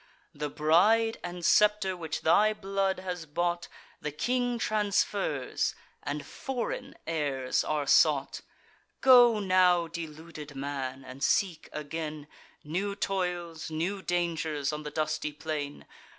The bride and scepter which thy blood has bought, The king transfers; and foreign heirs are sought. Go now, deluded man, and seek again New toils, new dangers, on the dusty plain.